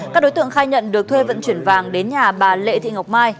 các đối tượng khai nhận được thuê vận chuyển vàng đến nhà bà lệ thị ngọc mai